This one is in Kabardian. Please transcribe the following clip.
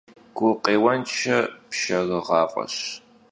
Gukhêuenşşe pşşerığuaf'eş.